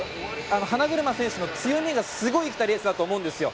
花車選手の強みがすごい生きたレースだと思うんですよ。